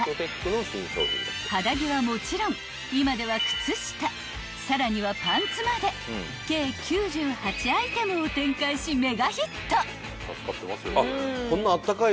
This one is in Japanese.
［肌着はもちろん今では靴下さらにはパンツまで計９８アイテムを展開しメガヒット！］